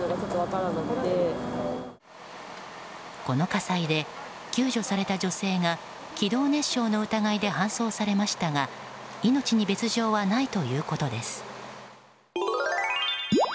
この火災で、救助された女性が気道熱傷の疑いで搬送されましたが命に別条はないということです。